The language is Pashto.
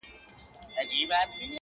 راسه دروې ښيم~